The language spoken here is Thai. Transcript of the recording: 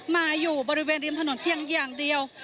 มาอยู่บริเวณริมถนนเพียงอย่างเดียว